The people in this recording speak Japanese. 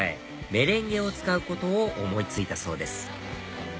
メレンゲを使うことを思い付いたそうです